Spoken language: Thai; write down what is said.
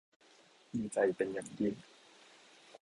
ดีใจเป็นอย่างยิ่ง